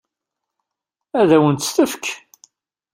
Ad wen-tt-tefk?